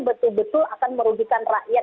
betul betul akan merugikan rakyat